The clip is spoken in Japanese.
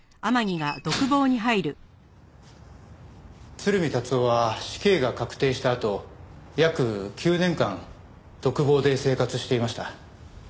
鶴見達男は死刑が確定したあと約９年間独房で生活していました。